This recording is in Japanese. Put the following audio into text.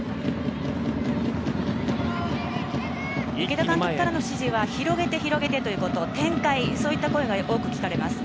池田監督からの指示は広げて、広げてという展開、そういった声が多く聞かれます。